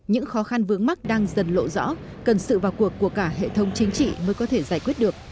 những khó khăn vướng mắt đang dần lộ rõ cần sự vào cuộc của cả hệ thống chính trị mới có thể giải quyết được